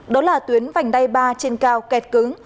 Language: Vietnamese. đó là tuyến vành đai ba trên cao kẹt cứng